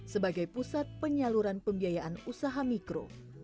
sebagai pusat penyaluran pembiayaan usaha mikro